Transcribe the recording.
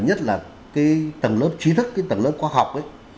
nhất là tầng lớp trí thức tầng lớp khoa học